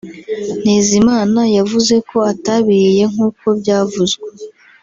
Ntezimana yavuze ko atabiriye nk’uko byavuzwe